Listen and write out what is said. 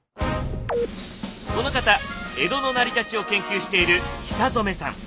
この方江戸の成り立ちを研究している久染さん。